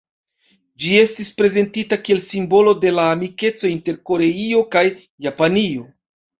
Ĝi estis prezentita kiel "simbolo de la amikeco inter Koreio kaj Japanio".